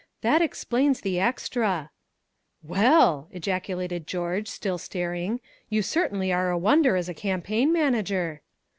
That explains the extra 'Well'," ejaculated George, still staring, "you certainly are a wonder as a campaign manager!"